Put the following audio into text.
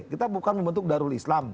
kita bukan membentuk darul islam